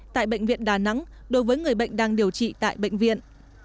tại bệnh viện đà nẵng đối với người bệnh đang điều trị tại bệnh viện